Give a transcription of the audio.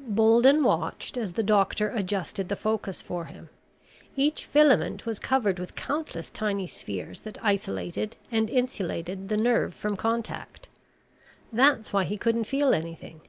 Bolden watched as the doctor adjusted the focus for him. Each filament was covered with countless tiny spheres that isolated and insulated the nerve from contact. That's why he couldn't feel anything.